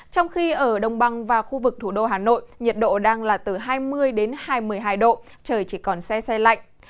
trong khi ở đông băng và khu vực thủ đô hà nội nhiệt độ đang là từ hai mươi đến hai mươi hai độ trời chỉ còn xe xe lạnh